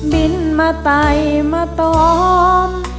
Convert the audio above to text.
บินมาไตมาตอม